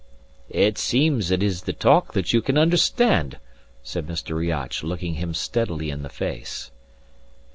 "It seems it is the talk that you can understand," said Mr. Riach, looking him steadily in the face.